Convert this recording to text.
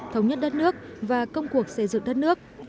thống nhất đất nước và công cuộc xây dựng đất nước